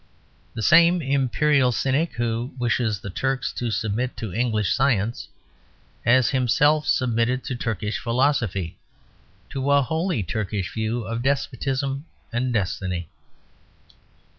The same Imperial cynic who wishes the Turks to submit to English science has himself submitted to Turkish philosophy, to a wholly Turkish view of despotism and destiny.